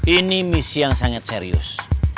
ini misi yang sangat serius